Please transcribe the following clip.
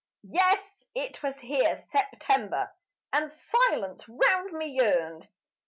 Yes, it was here September And silence round me yearned.